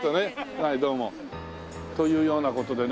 はいどうも。というような事でね。